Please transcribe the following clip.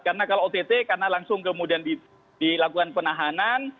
karena kalau ott karena langsung kemudian dilakukan penahanan